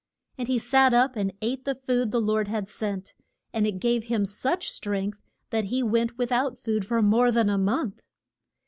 And he sat up, and ate the food the Lord had sent, and it gave him such strength that he went with out food for more than a month.